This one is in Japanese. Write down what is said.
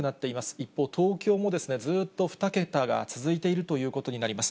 一方、東京もずっと２桁が続いているということになります。